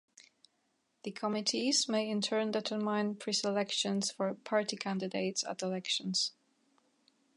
The committees may in turn determine preselections for party candidates at elections.